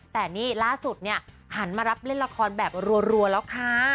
แต่นี่ล่าสุดเนี่ยหันมารับเล่นละครแบบรัวแล้วค่ะ